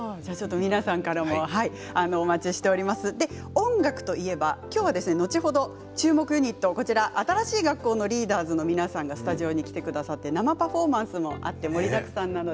音楽といえば後ほど注目ユニット新しい学校のリーダーズの皆さんがスタジオに来てくださって生パフォーマンスもあって盛りだくさんです。